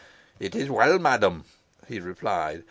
"It is well, madam," he replied.